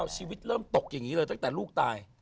ชีวิตเริ่มตกอย่างนี้เลยตั้งแต่ลูกตาย